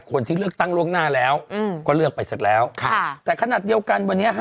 คนที่เลือกตั้งล่วงหน้าแล้วก็เลือกไปเสร็จแล้วค่ะแต่ขนาดเดียวกันวันนี้ฮะ